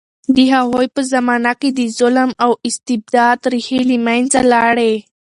د هغوی په زمانه کې د ظلم او استبداد ریښې له منځه لاړې.